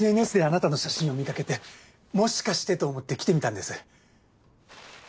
ＳＮＳであなたの写真を見かけてもしかしてと思って来てみたんです。